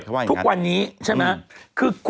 ทุกวันนี้ใช่ไหม